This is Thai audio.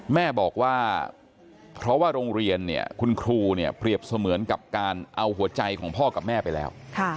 แม่บอกว่าเพราะว่าโรงเรียนเนี่ยคุณครูเนี่ยเปรียบเสมือนกับการเอาหัวใจของพ่อกับแม่ไปแล้ว